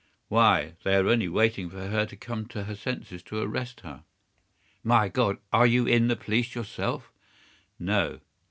"Why, they are only waiting for her to come to her senses to arrest her." "My God! Are you in the police yourself?" "No."